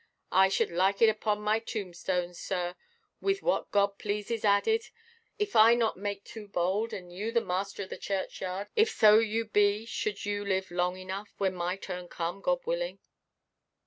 I should like it upon my tombstone, sir, with what God pleases added, if I not make too bold, and you the master of the churchyard, if so be you should live long enough, when my turn come, God willing."